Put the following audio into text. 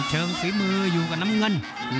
ฝีมืออยู่กับน้ำเงิน